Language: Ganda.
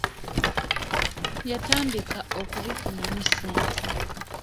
Yatandika okubifunamu ssente.